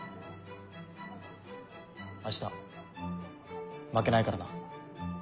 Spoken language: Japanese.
明日負けないからな。